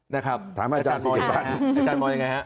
นะครับถามอาจารย์โมยยังไงครับ